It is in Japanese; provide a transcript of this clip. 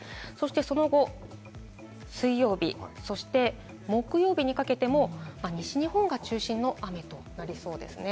その後、水曜日、そして木曜日にかけても、西日本が中心の雨となりそうです。